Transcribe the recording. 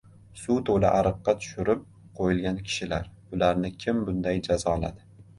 Suv to‘la ariqqa tushirib qo‘yilgan kishilar. Ularni kim bunday «jazoladi»?